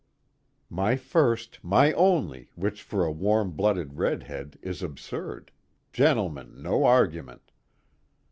_My first, my only, which for a warmblooded redhead is absurd, gentlemen, no argument.